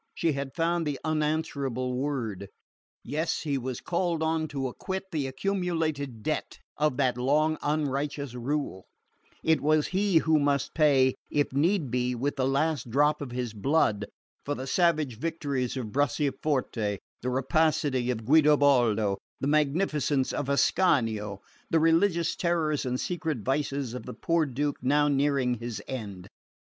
She had found the unanswerable word. Yes, he was called on to acquit the accumulated debt of that long unrighteous rule: it was he who must pay, if need be with the last drop of his blood, for the savage victories of Bracciaforte, the rapacity of Guidobaldo, the magnificence of Ascanio, the religious terrors and secret vices of the poor Duke now nearing his end.